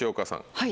はい。